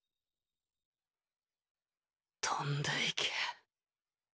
飛んで行け。